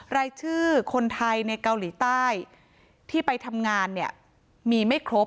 รายชื่อคนไทยในเกาหลีใต้ที่ไปทำงานเนี่ยมีไม่ครบ